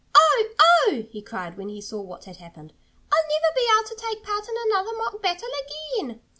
"Oh! oh!" he cried when he saw what had happened. "I'll never be able to take part in another mock battle again!"